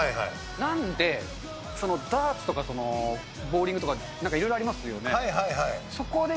なんで、ダーツとかボウリングとか、なんかいろいろありますよね。